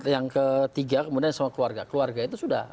yang ketiga kemudian sama keluarga keluarga itu sudah